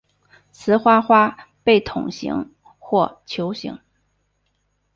雌花花被筒形或球形。